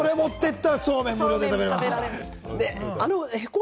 それ持っていったら、そうめんが無料ですから。